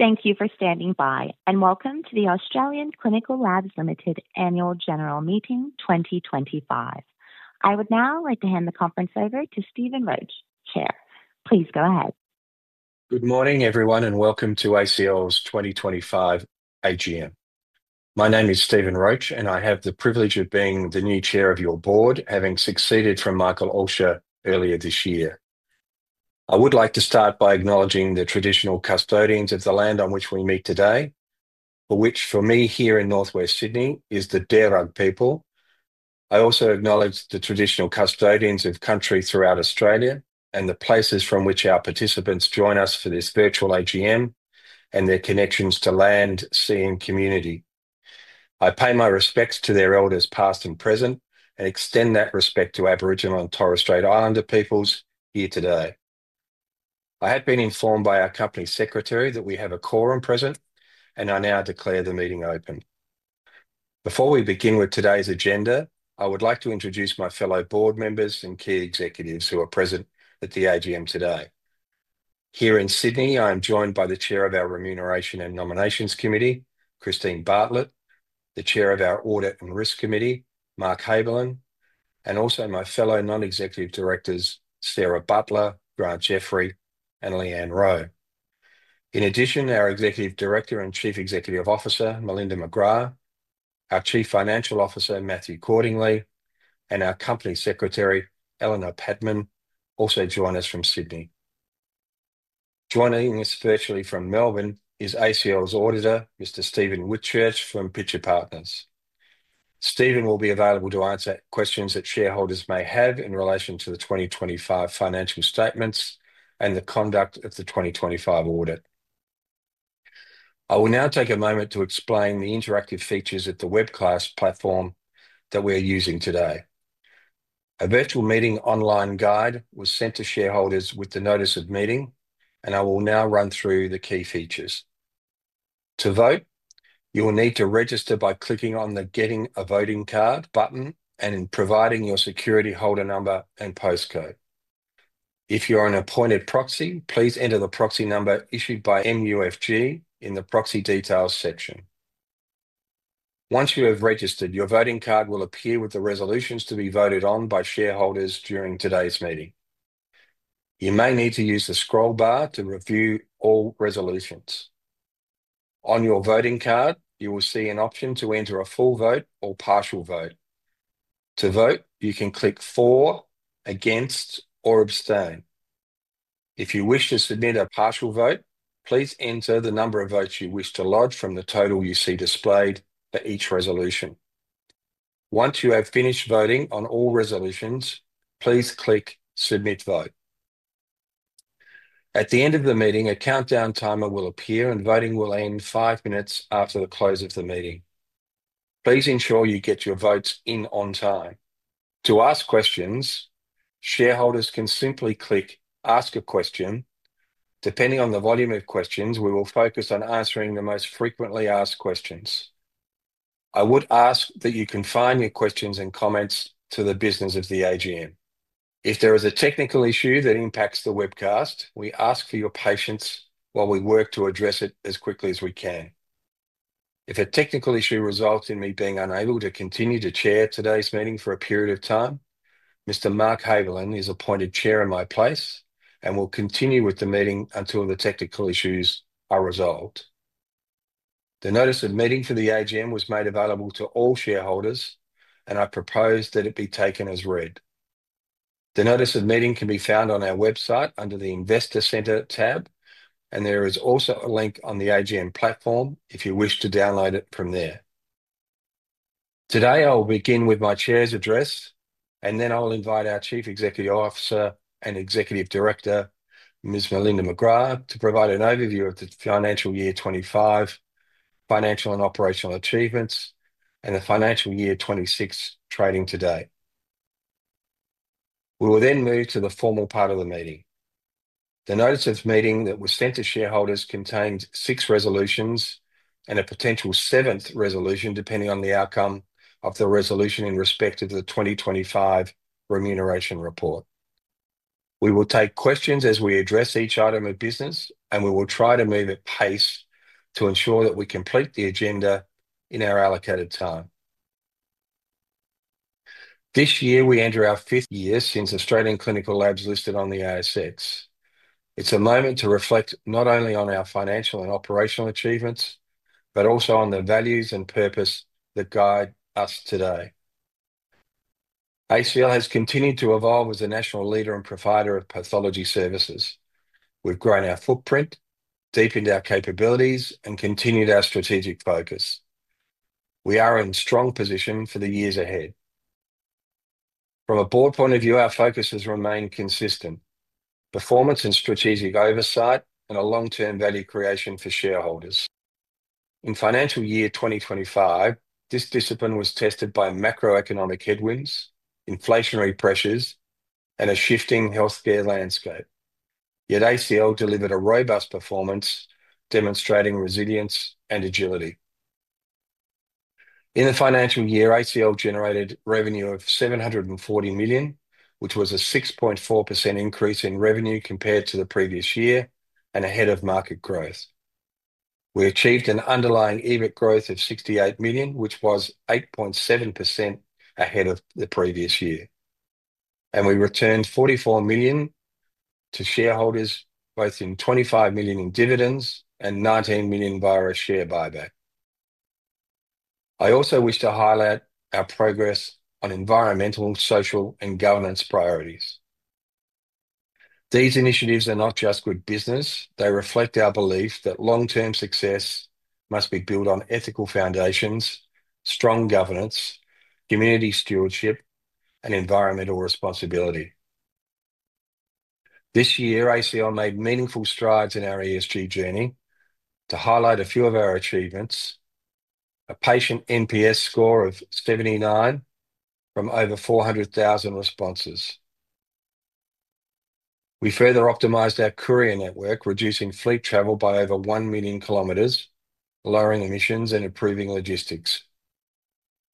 Thank you for standing by and welcome to the Australian Clinical Labs Limited Annual General Meeting 2025. I would now like to hand the conference over to Stephen Roach, Chair. Please go ahead. Good morning, everyone, and welcome to ACL's 2025 AGM. My name is Stephen Roach, and I have the privilege of being the new Chair of your Board, having succeeded from Michael Ulsher earlier this year. I would like to start by acknowledging the traditional custodians of the land on which we meet today, for which for me here in Northwest Sydney is the Dirug people. I also acknowledge the traditional custodians of country throughout Australia and the places from which our participants join us for this virtual AGM and their connections to land, sea, and community. I pay my respects to their elders past and present and extend that respect to Aboriginal and Torres Strait Islander peoples here today. I have been informed by our Company Secretary that we have a quorum present, and I now declare the meeting open. Before we begin with today's agenda, I would like to introduce my fellow Board members and key executives who are present at the AGM today. Here in Sydney, I am joined by the Chair of our Remuneration and Nominations Committee, Christine Bartlett, the Chair of our Audit and Risk Committee, Mark Haberlin, and also my fellow non-executive directors, Sarah Butler, Grant Jeffery, and Leanne Rowe. In addition, our Executive Director and Chief Executive Officer, Melinda McGrath, our Chief Financial Officer, Matthew Cordingley, and our Company Secretary, Eleanor Padman, also join us from Sydney. Joining us virtually from Melbourne is ACL's Auditor, Mr. Stephen Whitchurch from Pitcher Partners. Stephen will be available to answer questions that shareholders may have in relation to the 2025 financial statements and the conduct of the 2025 audit. I will now take a moment to explain the interactive features of the webcast platform that we are using today. A virtual meeting online guide was sent to shareholders with the notice of meeting, and I will now run through the key features. To vote, you will need to register by clicking on the 'Getting a Voting Card' button and providing your security holder number and postcode. If you are an appointed proxy, please enter the proxy number issued by MUFG in the proxy details section. Once you have registered, your voting card will appear with the resolutions to be voted on by shareholders during today's meeting. You may need to use the scroll bar to review all resolutions. On your voting card, you will see an option to enter a full vote or partial vote. To vote, you can click 'For', 'Against', or 'Abstain'. If you wish to submit a partial vote, please enter the number of votes you wish to lodge from the total you see displayed for each resolution. Once you have finished voting on all resolutions, please click 'Submit Vote.' At the end of the meeting, a countdown timer will appear, and voting will end five minutes after the close of the meeting. Please ensure you get your votes in on time. To ask questions, shareholders can simply click 'Ask a Question.' Depending on the volume of questions, we will focus on answering the most frequently asked questions. I would ask that you confine your questions and comments to the business of the AGM. If there is a technical issue that impacts the webcast, we ask for your patience while we work to address it as quickly as we can. If a technical issue results in me being unable to continue to chair today's meeting for a period of time, Mr. Mark Haberlin is appointed Chair in my place and will continue with the meeting until the technical issues are resolved. The notice of meeting for the AGM was made available to all shareholders, and I propose that it be taken as read. The notice of meeting can be found on our website under the Investor Centre tab, and there is also a link on the AGM platform if you wish to download it from there. Today, I will begin with my Chair's address, and then I will invite our Chief Executive Officer and Executive Director, Ms. Melinda McGrath, to provide an overview of the financial year 2025 financial and operational achievements and the financial year 2026 trading today. We will then move to the formal part of the meeting. The notice of meeting that was sent to shareholders contains six resolutions and a potential seventh resolution depending on the outcome of the resolution in respect of the 2025 Remuneration Report. We will take questions as we address each item of business, and we will try to move at pace to ensure that we complete the agenda in our allocated time. This year, we enter our fifth year since Australian Clinical Labs listed on the ASX. It's a moment to reflect not only on our financial and operational achievements, but also on the values and purpose that guide us today. ACL has continued to evolve as a national leader and provider of pathology services. We've grown our footprint, deepened our capabilities, and continued our strategic focus. We are in a strong position for the years ahead. From a board point of view, our focus has remained consistent: performance and strategic oversight, and a long-term value creation for shareholders. In financial year 2025, this discipline was tested by macroeconomic headwinds, inflationary pressures, and a shifting healthcare landscape. Yet ACL delivered a robust performance, demonstrating resilience and agility. In the financial year, ACL generated revenue of $740 million, which was a 6.4% increase in revenue compared to the previous year and ahead of market growth. We achieved an underlying EBIT growth of $68 million, which was 8.7% ahead of the previous year. We returned $44 million to shareholders, both in $25 million in dividends and $19 million via a share buyback. I also wish to highlight our progress on environmental, social, and governance priorities. These initiatives are not just good business; they reflect our belief that long-term success must be built on ethical foundations, strong governance, community stewardship, and environmental responsibility. This year, ACL made meaningful strides in our ESG journey. To highlight a few of our achievements: a patient Net Promoter Score of 79 from over 400,000 responses. We further optimized our courier network, reducing fleet travel by over 1 million kilometers, lowering emissions, and improving logistics.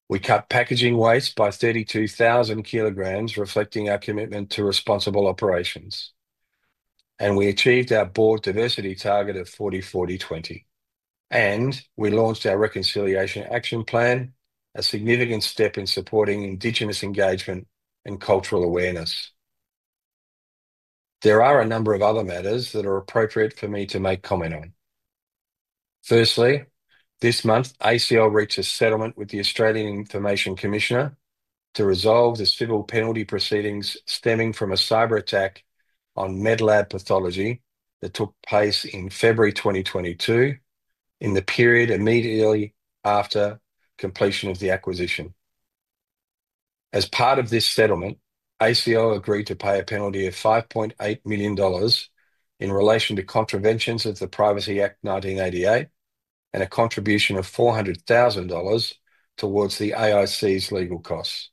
We cut packaging waste by 32,000 kilograms, reflecting our commitment to responsible operations. We achieved our board diversity target of 40/40/20. We launched our reconciliation action plan, a significant step in supporting Indigenous engagement and cultural awareness. There are a number of other matters that are appropriate for me to make comment on. Firstly, this month, ACL reached a settlement with the Office of the Australian Information Commissioner to resolve the civil penalty proceedings stemming from a cyber attack on Medlab Pathology that took place in February 2022, in the period immediately after completion of the acquisition. As part of this settlement, ACL agreed to pay a penalty of $5.8 million in relation to contraventions of the Privacy Act 1988, and a contribution of $400,000 towards the OAIC's legal costs.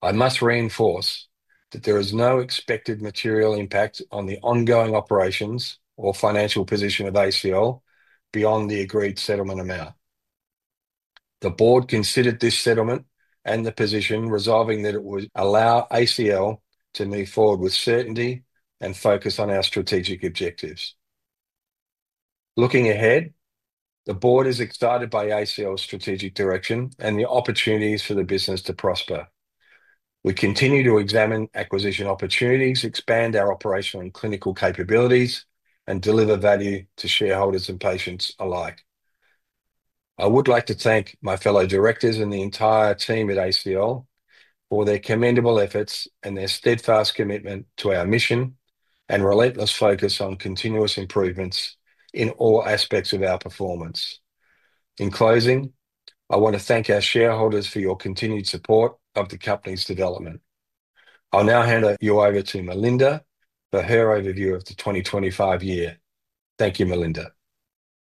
I must reinforce that there is no expected material impact on the ongoing operations or financial position of ACL beyond the agreed settlement amount. The Board considered this settlement and the position, resolving that it would allow ACL to move forward with certainty and focus on our strategic objectives. Looking ahead, the Board is excited by ACL's strategic direction and the opportunities for the business to prosper. We continue to examine acquisition opportunities, expand our operational and clinical capabilities, and deliver value to shareholders and patients alike. I would like to thank my fellow directors and the entire team at ACL for their commendable efforts and their steadfast commitment to our mission and relentless focus on continuous improvements in all aspects of our performance. In closing, I want to thank our shareholders for your continued support of the company's development. I'll now hand you over to Melinda for her overview of the 2025 year. Thank you, Melinda.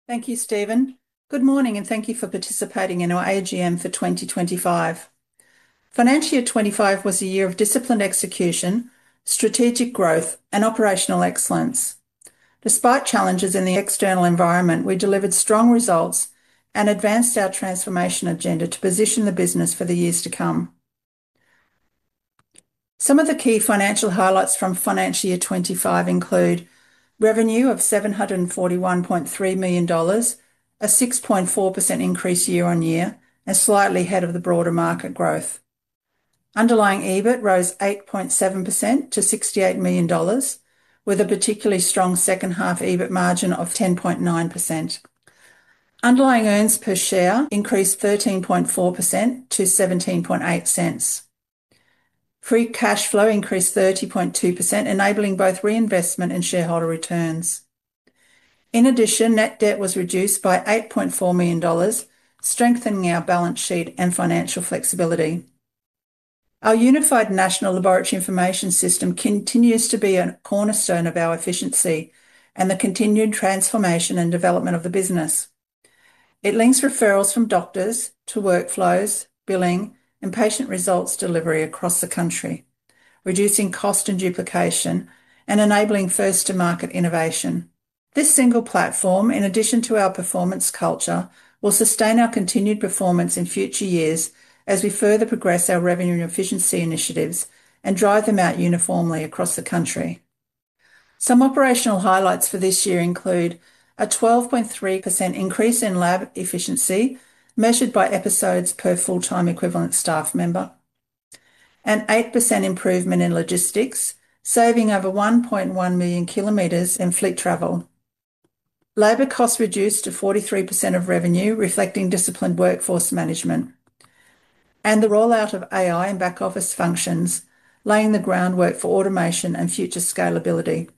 Thank you, Stephen. Good morning, and thank you for participating in our AGM for 2025. Financial year 2025 was a year of disciplined execution, strategic growth, and operational excellence. Despite challenges in the external environment, we delivered strong results and advanced our transformation agenda to position the business for the years to come. Some of the key financial highlights from financial year 2025 include revenue of $741.3 million, a 6.4% increase year on year, and slightly ahead of the broader market growth. Underlying EBIT rose 8.7% to $68 million, with a particularly strong second-half EBIT margin of 10.9%. Underlying earnings per share increased 13.4% to $0.178. Free cash flow increased 30.2%, enabling both reinvestment and shareholder returns. In addition, net debt was reduced by $8.4 million, strengthening our balance sheet and financial flexibility. Our unified national laboratory information system continues to be a cornerstone of our efficiency and the continued transformation and development of the business. It links referrals from doctors to workflows, billing, and patient results delivery across the country, reducing cost and duplication and enabling first-to-market innovation. This single platform, in addition to our performance culture, will sustain our continued performance in future years as we further progress our revenue and efficiency initiatives and drive them out uniformly across the country. Some operational highlights for this year include a 12.3% increase in lab efficiency, measured by episodes per full-time equivalent staff member, and an 8% improvement in logistics, saving over 1.1 million kilometers in fleet travel. Labor costs reduced to 43% of revenue, reflecting disciplined workforce management, and the rollout of AI and back-office functions, laying the groundwork for automation and future scalability.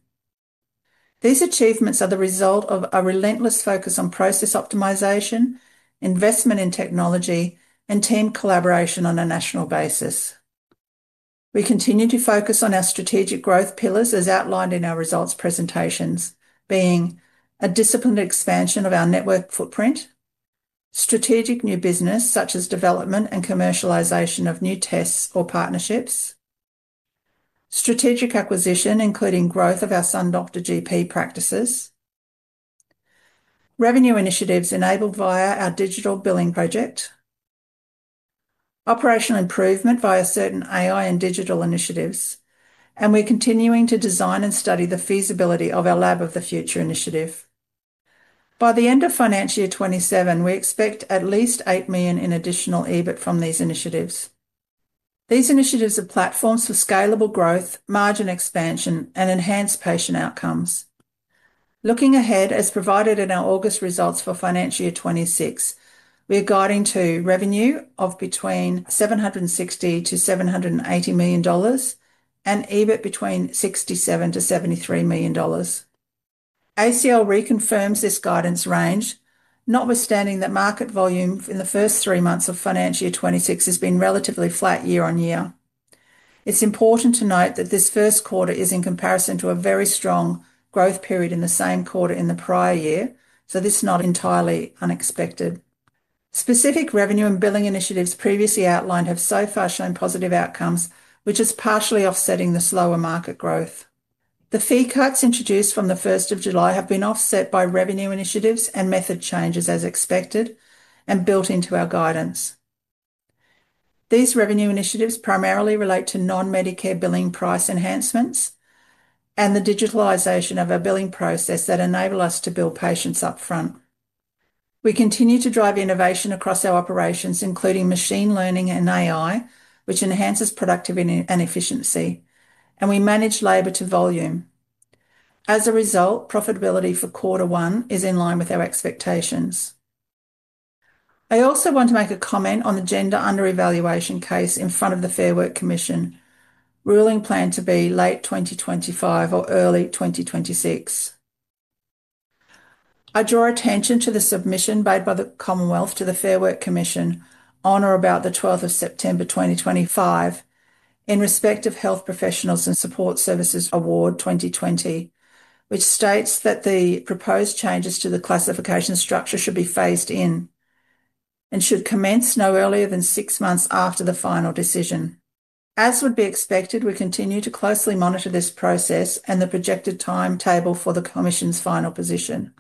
These achievements are the result of a relentless focus on process optimization, investment in technology, and team collaboration on a national basis. We continue to focus on our strategic growth pillars as outlined in our results presentations, being a disciplined expansion of our network footprint, strategic new business such as development and commercialization of new tests or partnerships, strategic acquisition including growth of our Sun Doctor GP practices, revenue initiatives enabled via our digital billing project, operational improvement via certain AI and digital initiatives, and we're continuing to design and study the feasibility of our Lab of the Future initiative. By the end of financial year 2027, we expect at least $8 million in additional EBIT from these initiatives. These initiatives are platforms for scalable growth, margin expansion, and enhanced patient outcomes. Looking ahead, as provided in our August results for financial year 2026, we are guiding to revenue of between $760 million to $780 million and EBIT between $67 million to $73 million. Australian Clinical Labs reconfirms this guidance range, notwithstanding that market volume in the first three months of financial year 2026 has been relatively flat year on year. It's important to note that this first quarter is in comparison to a very strong growth period in the same quarter in the prior year, so this is not entirely unexpected. Specific revenue and billing initiatives previously outlined have so far shown positive outcomes, which is partially offsetting the slower market growth. The fee cuts introduced from July 1 have been offset by revenue initiatives and method changes as expected and built into our guidance. These revenue initiatives primarily relate to non-Medicare billing price enhancements and the digitalization of our billing process that enable us to bill patients upfront. We continue to drive innovation across our operations, including machine learning and AI, which enhances productivity and efficiency, and we manage labor to volume. As a result, profitability for quarter one is in line with our expectations. I also want to make a comment on the gender under-evaluation case in front of the Fair Work Commission, ruling planned to be late 2025 or early 2026. I draw attention to the submission made by the Commonwealth to the Fair Work Commission on or about September 12, 2025, in respect of Health Professionals and Support Services Award 2020, which states that the proposed changes to the classification structure should be phased in and should commence no earlier than six months after the final decision. As would be expected, we continue to closely monitor this process and the projected timetable for the Commission's final position.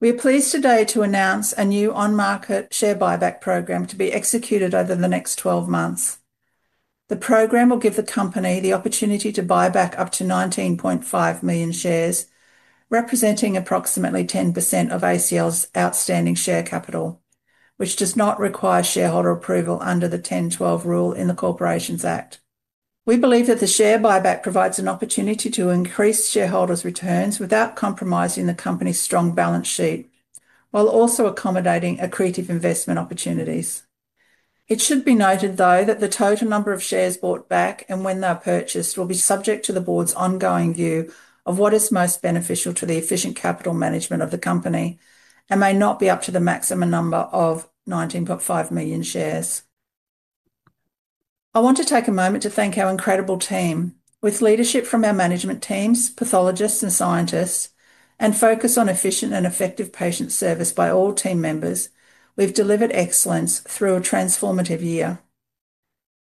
We are pleased today to announce a new on-market share buyback program to be executed over the next 12 months. The program will give the company the opportunity to buy back up to 19.5 million shares, representing approximately 10% of ACL's outstanding share capital, which does not require shareholder approval under the 10-12 rule in the Corporations Act. We believe that the share buyback provides an opportunity to increase shareholders' returns without compromising the company's strong balance sheet, while also accommodating accretive investment opportunities. It should be noted, though, that the total number of shares bought back and when they are purchased will be subject to the Board's ongoing view of what is most beneficial to the efficient capital management of the company and may not be up to the maximum number of 19.5 million shares. I want to take a moment to thank our incredible team. With leadership from our management teams, pathologists, and scientists, and focus on efficient and effective patient service by all team members, we've delivered excellence through a transformative year.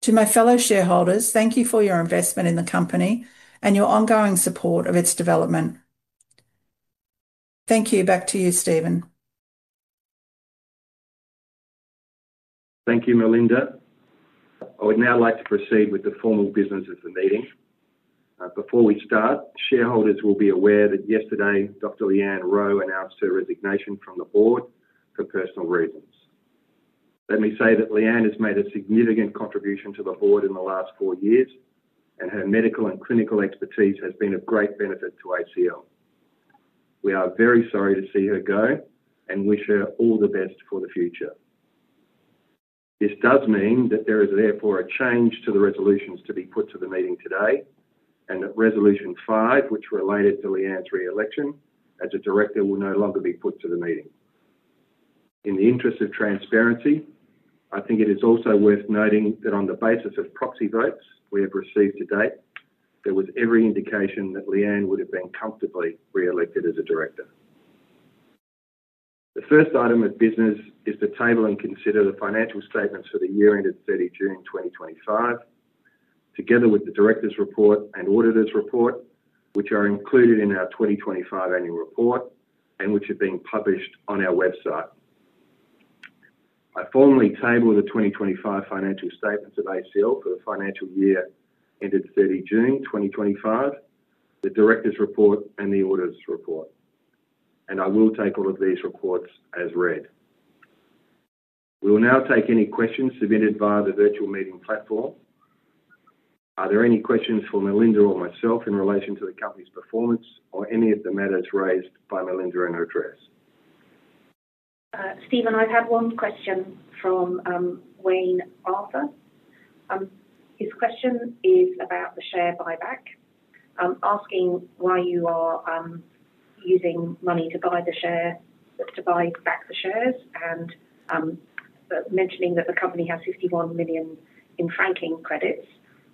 To my fellow shareholders, thank you for your investment in the company and your ongoing support of its development. Thank you. Back to you, Stephen. Thank you, Melinda. I would now like to proceed with the formal business of the meeting. Before we start, shareholders will be aware that yesterday Dr. Leanne Rowe announced her resignation from the Board for personal reasons. Let me say that Leanne has made a significant contribution to the Board in the last four years, and her medical and clinical expertise has been of great benefit to ACL. We are very sorry to see her go and wish her all the best for the future. This does mean that there is therefore a change to the resolutions to be put to the meeting today, and that Resolution 5, which related to Leanne's re-election as a Director, will no longer be put to the meeting. In the interest of transparency, I think it is also worth noting that on the basis of proxy votes we have received to date, there was every indication that Leanne would have been comfortably re-elected as a Director. The first item of business is to table and consider the financial statements for the year-end of 30 June 2025, together with the Director's Report and Auditor's Report, which are included in our 2025 Annual Report and which have been published on our website. I formally table the 2025 financial statements of ACL for the financial year ended 30 June 2025, the Director's Report, and the Auditor's Report, and I will take all of these reports as read. We will now take any questions submitted via the virtual meeting platform. Are there any questions for Melinda or myself in relation to the company's performance or any of the matters raised by Melinda in her address? Stephen, I've had one question from Wayne Arthur. His question is about the share buyback, asking why you are using money to buy the share, to buy back the shares, and mentioning that the company has $51 million in franking credits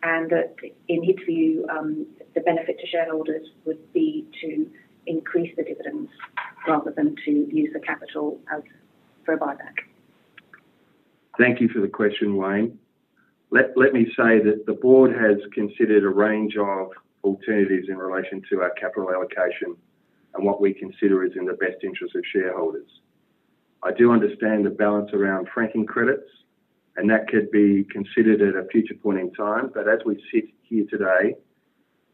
and that in his view, the benefit to shareholders would be to increase the dividends rather than to use the capital as for a buyback. Thank you for the question, Wayne. Let me say that the Board has considered a range of alternatives in relation to our capital allocation and what we consider is in the best interest of shareholders. I do understand the balance around franking credits, and that could be considered at a future point in time, but as we sit here today,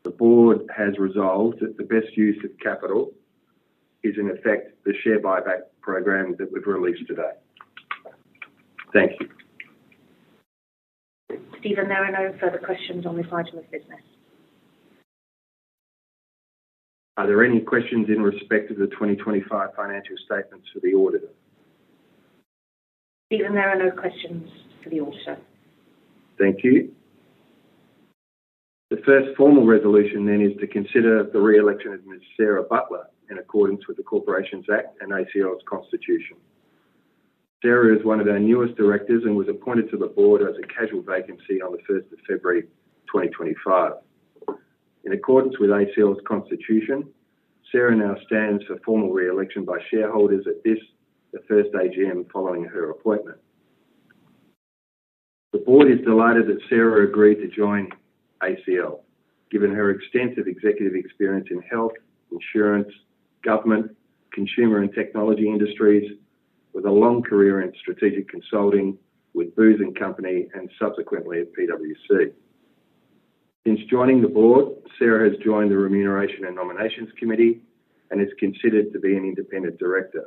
the Board has resolved that the best use of capital is in effect the share buyback program that we've released today. Thank you. Stephen, there are no further questions on this item of business. Are there any questions in respect of the 2025 financial statements for the Auditor? Stephen, there are no questions for the Auditor. Thank you. The first formal resolution then is to consider the re-election of Ms. Sarah Butler in accordance with the Corporations Act and ACL's Constitution. Sarah is one of our newest Directors and was appointed to the Board as a casual vacancy on the 1st of February 2025. In accordance with ACL's Constitution, Sarah now stands for formal re-election by shareholders at this, the first AGM following her appointment. The Board is delighted that Sarah agreed to join ACL, given her extensive executive experience in health, insurance, government, consumer, and technology industries, with a long career in strategic consulting with Booz & Company and subsequently at PwC. Since joining the Board, Sarah has joined the Remuneration and Nominations Committee and is considered to be an independent Director.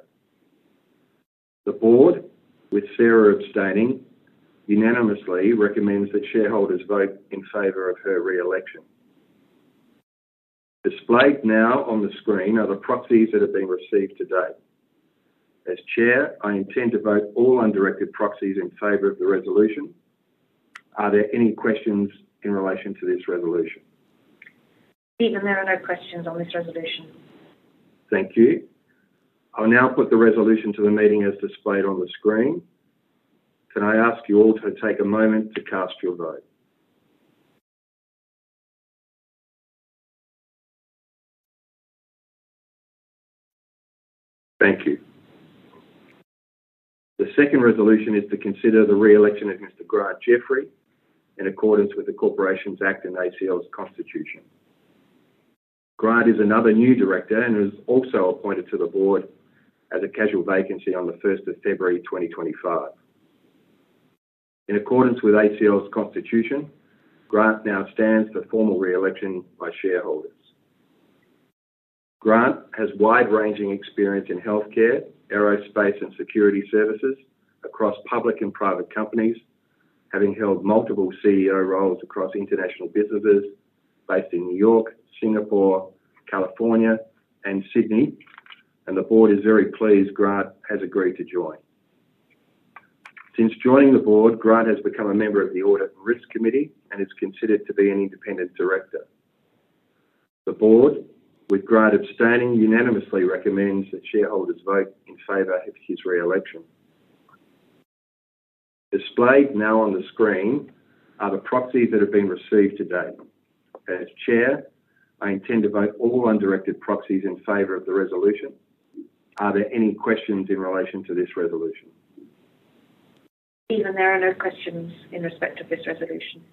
The Board, with Sarah abstaining, unanimously recommends that shareholders vote in favor of her re-election. Displayed now on the screen are the proxies that have been received to date. As Chair, I intend to vote all undirected proxies in favor of the resolution. Are there any questions in relation to this resolution? Stephen, there are no questions on this resolution. Thank you. I will now put the resolution to the meeting as displayed on the screen. Can I ask you all to take a moment to cast your vote? Thank you. The second resolution is to consider the re-election of Mr. Grant Jeffery, in accordance with the Corporations Act and ACL's Constitution. Grant is another new Director and was also appointed to the Board as a casual vacancy on February 1, 2025. In accordance with ACL's Constitution, Grant now stands for formal re-election by shareholders. Grant has wide-ranging experience in healthcare, aerospace, and security services across public and private companies, having held multiple CEO roles across international businesses based in New York, Singapore, California, and Sydney, and the Board is very pleased Grant has agreed to join. Since joining the Board, Grant has become a member of the Audit and Risk Committee and is considered to be an independent Director. The Board, with Grant abstaining, unanimously recommends that shareholders vote in favor of his re-election. Displayed now on the screen are the proxies that have been received to date. As Chair, I intend to vote all undirected proxies in favor of the resolution. Are there any questions in relation to this resolution? Stephen, there are no questions in respect of this resolution.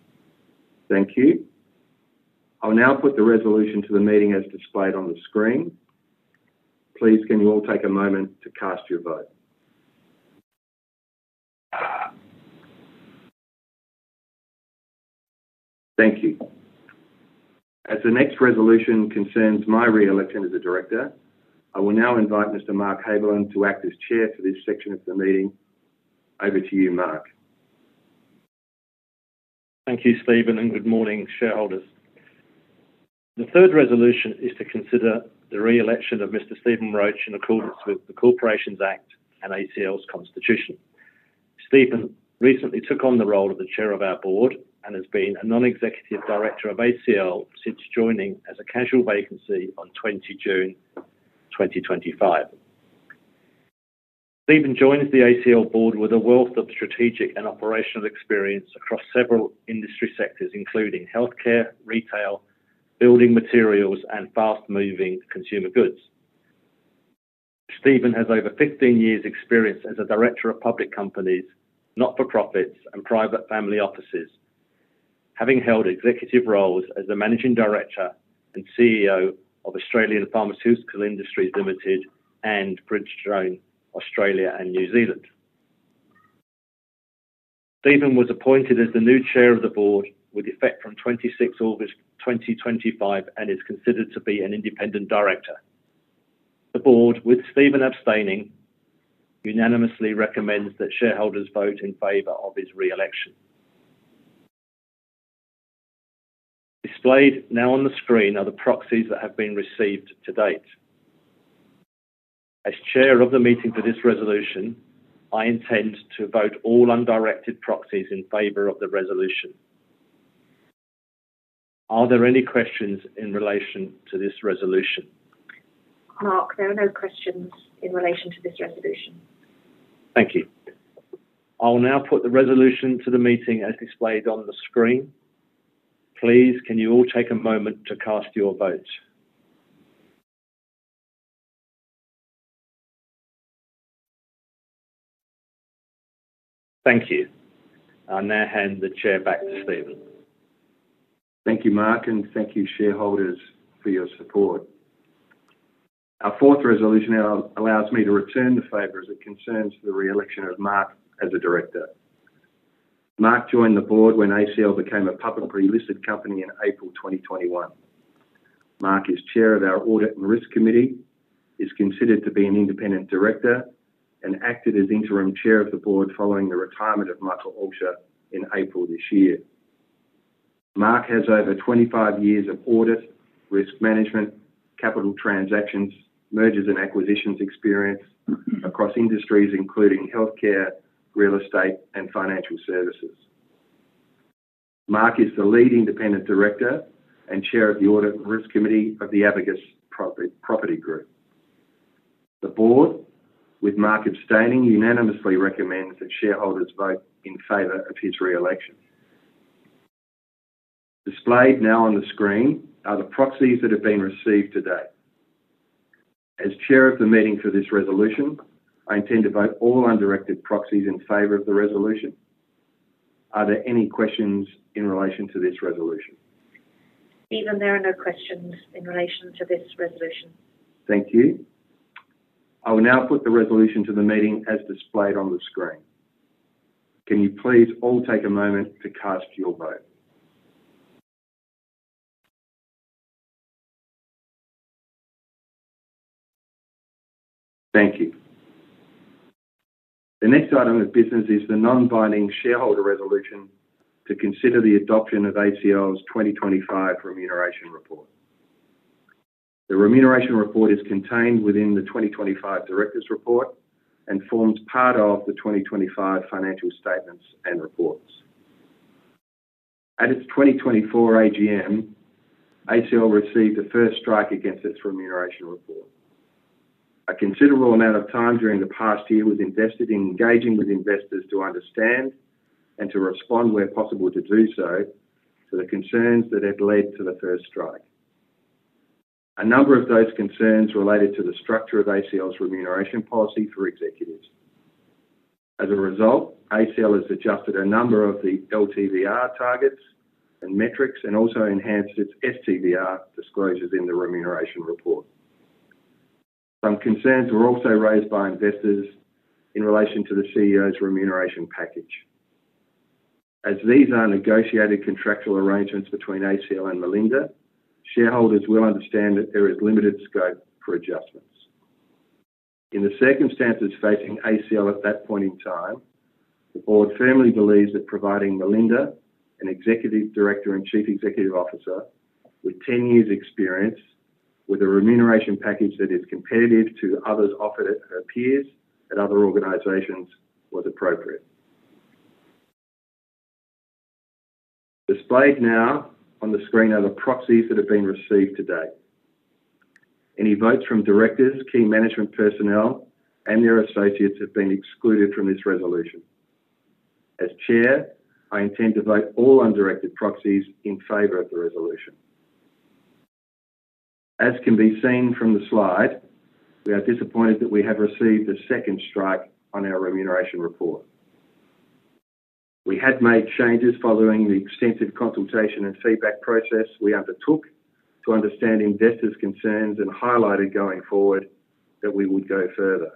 Thank you. I will now put the resolution to the meeting as displayed on the screen. Please, can you all take a moment to cast your vote? Thank you. As the next resolution concerns my re-election as a Director, I will now invite Mr. Mark Haberlin to act as Chair for this section of the meeting. Over to you, Mark. Thank you, Stephen, and good morning, shareholders. The third resolution is to consider the re-election of Mr. Stephen Roach in accordance with the Corporations Act and ACL's Constitution. Stephen recently took on the role of the Chair of our Board and has been a Non-Executive Director of ACL since joining as a casual vacancy on June 20, 2025. Stephen joins the ACL Board with a wealth of strategic and operational experience across several industry sectors, including healthcare, retail, building materials, and fast-moving consumer goods. Stephen has over 15 years' experience as a Director of public companies, not-for-profits, and private family offices, having held executive roles as the Managing Director and CEO of Australian Pharmaceutical Industries Ltd and Bridgestone Australia and New Zealand. Stephen was appointed as the new Chair of the Board with effect from August 26, 2025, and is considered to be an independent Director. The Board, with Stephen abstaining, unanimously recommends that shareholders vote in favor of his re-election. Displayed now on the screen are the proxies that have been received to date. As Chair of the meeting for this resolution, I intend to vote all undirected proxies in favor of the resolution. Are there any questions in relation to this resolution? Mark, there are no questions in relation to this resolution. Thank you. I will now put the resolution to the meeting as displayed on the screen. Please, can you all take a moment to cast your vote? Thank you. I'll now hand the Chair back to Stephen. Thank you, Mark, and thank you, shareholders, for your support. Our fourth resolution allows me to return to favors that concerns the re-election of Mark as a Director. Mark joined the Board when Australian Clinical Labs became a publicly listed company in April 2021. Mark is Chair of our Audit and Risk Committee, is considered to be an independent Director, and acted as Interim Chair of the Board following the retirement of Michael Ulsher in April this year. Mark has over 25 years of audit, risk management, capital transactions, mergers, and acquisitions experience across industries including healthcare, real estate, and financial services. Mark is the lead independent Director and Chair of the Audit and Risk Committee of the Abacus Property Group. The Board, with Mark abstaining, unanimously recommends that shareholders vote in favor of his re-election. Displayed now on the screen are the proxies that have been received to date. As Chair of the meeting for this resolution, I intend to vote all undirected proxies in favor of the resolution. Are there any questions in relation to this resolution? Stephen, there are no questions in relation to this resolution. Thank you. I will now put the resolution to the meeting as displayed on the screen. Can you please all take a moment to cast your vote? Thank you. The next item of business is the non-binding shareholder resolution to consider the adoption of ACL's 2025 Remuneration Report. The Remuneration Report is contained within the 2025 Director's Report and forms part of the 2025 financial statements and reports. At its 2024 AGM, ACL received the first strike against its Remuneration Report. A considerable amount of time during the past year was invested in engaging with investors to understand and to respond, where possible, to do so to the concerns that have led to the first strike. A number of those concerns related to the structure of ACL's remuneration policy for executives. As a result, ACL has adjusted a number of the LTVR targets and metrics and also enhanced its STVR disclosures in the Remuneration Report. Some concerns were also raised by investors in relation to the CEO's remuneration package. As these are negotiated contractual arrangements between ACL and Melinda McGrath, shareholders will understand that there is limited scope for adjustments. In the circumstances facing ACL at that point in time, the Board firmly believes that providing Melinda, an Executive Director and Chief Executive Officer, with 10 years' experience, with a remuneration package that is competitive to others offered at her peers at other organizations, was appropriate. Displayed now on the screen are the proxies that have been received to date. Any votes from Directors, key management personnel, and their associates have been excluded from this resolution. As Chair, I intend to vote all undirected proxies in favor of the resolution. As can be seen from the slide, we are disappointed that we have received a second strike on our Remuneration Report. We had made changes following the extensive consultation and feedback process we undertook to understand investors' concerns and highlighted going forward that we would go further.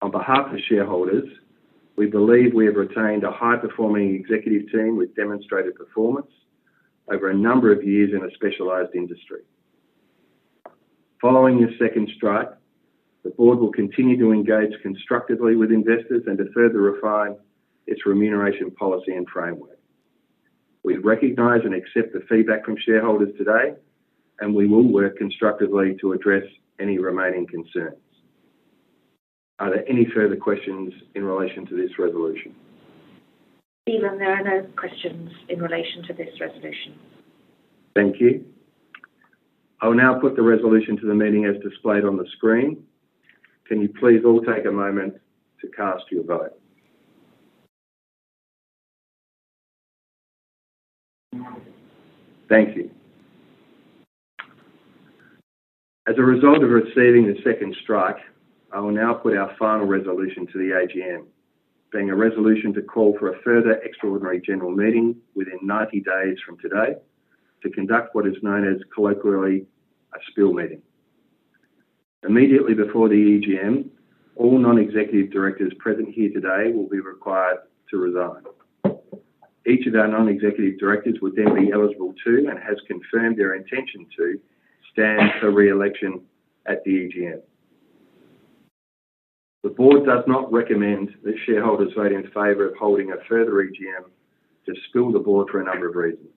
On behalf of shareholders, we believe we have retained a high-performing executive team with demonstrated performance over a number of years in a specialized industry. Following this second strike, the Board will continue to engage constructively with investors and to further refine its remuneration policy and framework. We recognize and accept the feedback from shareholders today, and we will work constructively to address any remaining concerns. Are there any further questions in relation to this resolution? Stephen, there are no questions in relation to this resolution. Thank you. I will now put the resolution to the meeting as displayed on the screen. Can you please all take a moment to cast your vote? Thank you. As a result of receiving the second strike, I will now put our final resolution to the AGM, being a resolution to call for a further extraordinary general meeting within 90 days from today to conduct what is known as colloquially a spill meeting. Immediately before the AGM, all non-executive Directors present here today will be required to resign. Each of our non-executive Directors would then be eligible to and has confirmed their intention to stand for re-election at the AGM. The Board does not recommend that shareholders vote in favor of holding a further AGM to spill the board for a number of reasons.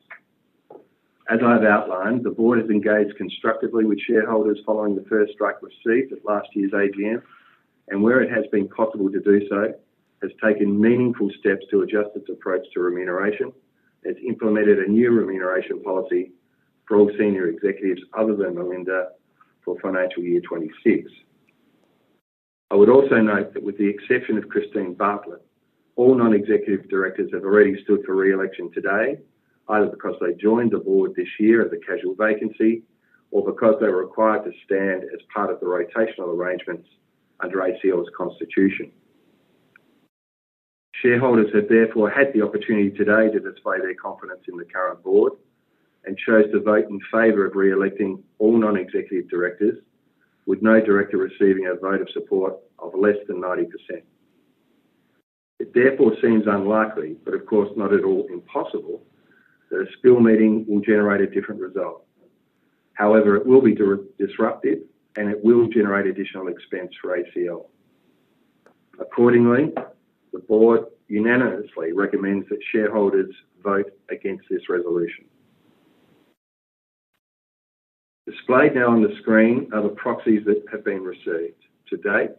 As I've outlined, the Board has engaged constructively with shareholders following the first strike received at last year's AGM, and where it has been possible to do so, has taken meaningful steps to adjust its approach to remuneration and has implemented a new remuneration policy for all senior executives other than Melinda McGrath for financial year 2026. I would also note that with the exception of Christine Bartlett, all non-executive Directors have already stood for re-election today, either because they joined the Board this year at the casual vacancy or because they were required to stand as part of the rotational arrangements under ACL's Constitution. Shareholders have therefore had the opportunity today to display their confidence in the current Board and chose to vote in favor of re-electing all non-executive Directors, with no Director receiving a vote of support of less than 90%. It therefore seems unlikely, but of course not at all impossible, that a spill meeting will generate a different result. However, it will be disruptive, and it will generate additional expense for ACL. Accordingly, the Board unanimously recommends that shareholders vote against this resolution. Displayed now on the screen are the proxies that have been received to date.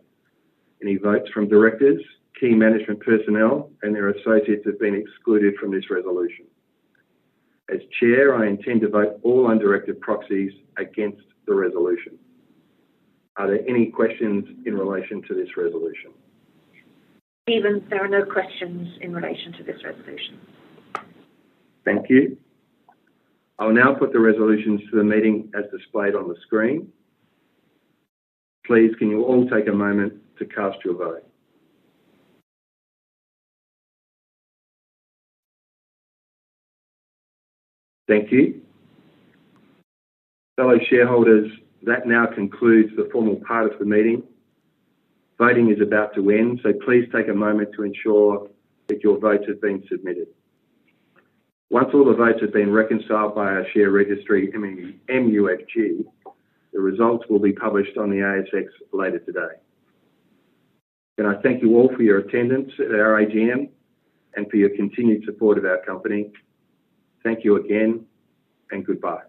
Any votes from Directors, key management personnel, and their associates have been excluded from this resolution. As Chair, I intend to vote all undirected proxies against the resolution. Are there any questions in relation to this resolution? Stephen, there are no questions in relation to this resolution. Thank you. I will now put the resolutions to the meeting as displayed on the screen. Please, can you all take a moment to cast your vote? Thank you. Fellow shareholders, that now concludes the formal part of the meeting. Voting is about to end, so please take a moment to ensure that your votes have been submitted. Once all the votes have been reconciled by our share registry, MUFG, the results will be published on the ASX later today. I thank you all for your attendance at our AGM and for your continued support of our company. Thank you again, and goodbye.